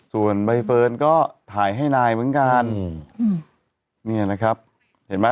ส่วนใบเฟิร์นก็ถ่ายให้นายเหมือนกันเนี่ยนะครับเห็นไหม